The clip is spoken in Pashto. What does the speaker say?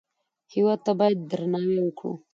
هېواد ته باید درناوی وکړو